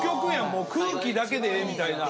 もう空気だけでええみたいな。